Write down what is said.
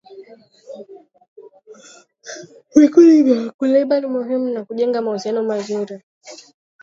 Vikundi vya wakulima ni muhimu ili kujenga mahusiano mazuri